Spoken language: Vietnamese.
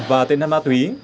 và tên năng ma túy